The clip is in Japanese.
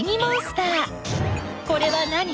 これは何？